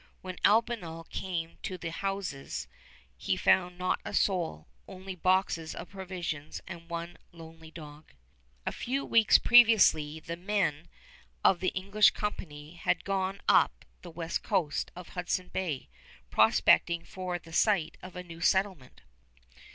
When Albanel came to the houses he found not a soul, only boxes of provisions and one lonely dog. A few weeks previously the men of the English company had gone on up the west coast of Hudson Bay, prospecting for the site of a new settlement.